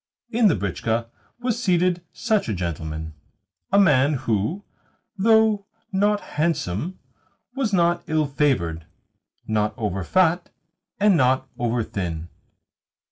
In the britchka was seated such a gentleman a man who, though not handsome, was not ill favoured, not over fat, and not over thin.